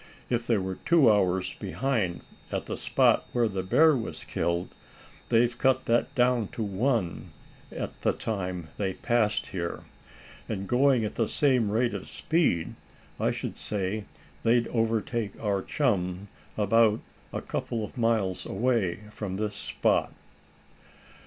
"If they were two hours behind at the spot where the bear was killed, they've cut that down to one at the time they passed here. And going at the same rate of speed I should say they'd overtake our chum about a couple of miles away from this spot."